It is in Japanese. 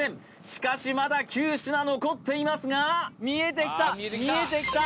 しかしまだ９品残っていますが見えてきた見えてきた